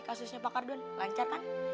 kasusnya pak kardun lancar kan